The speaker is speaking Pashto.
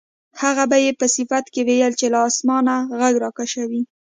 هغه به یې په صفت کې ویل چې له اسمانه غږ راکشوي.